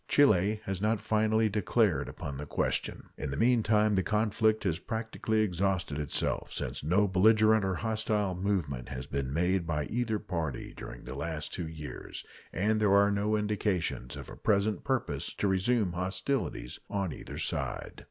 Chile has not finally declared upon the question. In the meantime the conflict has practically exhausted itself, since no belligerent or hostile movement has been made by either party during the last two years, and there are no indications of a present purpose to resume hostilities on either side.